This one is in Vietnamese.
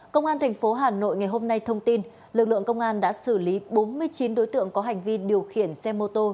công an tp hà nội ngày hôm nay thông tin lực lượng công an đã xử lý bốn mươi chín đối tượng có hành vi điều khiển xe mô tô